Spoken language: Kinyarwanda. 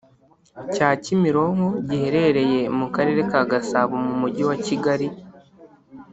cya Kimironko giherereye mu Karere ka Gasabo mu Mujyi wa Kigali